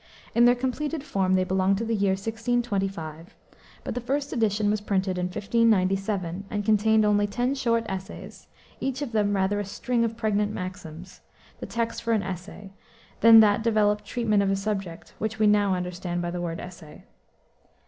In their completed form they belong to the year 1625, but the first edition was printed in 1597 and contained only ten short essays, each of them rather a string of pregnant maxims the text for an essay than that developed treatment of a subject which we now understand by the word essay.